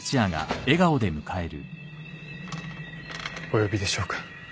・お呼びでしょうか？